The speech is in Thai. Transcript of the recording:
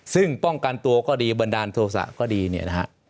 ซึ่งป้องกันตัวก็ดีบันดาลโทษะก็ดีเนี่ยนะฮะ